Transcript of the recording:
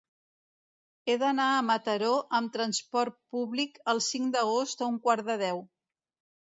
He d'anar a Mataró amb trasport públic el cinc d'agost a un quart de deu.